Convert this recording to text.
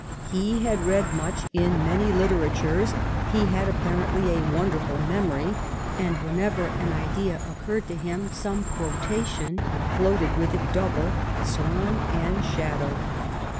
He had read much in many literatures; he had apparently a wonderful memory, and whenever an idea occurred to him some quotation floated with it, double — swan and shadow.